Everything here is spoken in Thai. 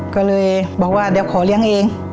ก็เลยบอกว่าเดี๋ยวขอเลี้ยงเอง